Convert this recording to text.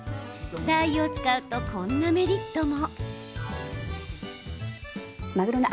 ラー油を使うとこんなメリットも。